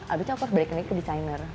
abis itu aku harus balik lagi ke designer